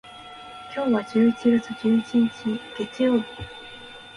今日は十一月十一日、月曜日。